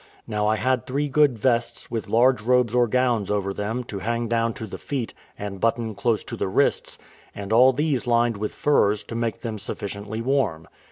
Now I had three good vests, with large robes or gowns over them, to hang down to the feet, and button close to the wrists; and all these lined with furs, to make them sufficiently warm.